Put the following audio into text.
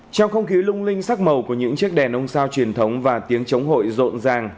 trong không khí lung linh sắc màu của những chiếc đèn ông sao truyền thống và tiếng chống hội rộn ràng